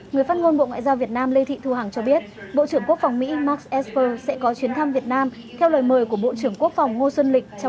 người phát ngôn bộ ngoại giao việt nam lê thị thu hằng cho biết bộ trưởng quốc phòng mỹ max esper sẽ có chuyến thăm việt nam theo lời mời của bộ trưởng quốc phòng ngô xuân lịch trong thời điểm thích hợp